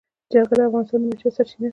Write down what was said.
جلګه د افغانانو د معیشت سرچینه ده.